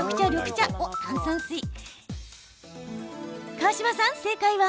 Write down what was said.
川島さん、正解は？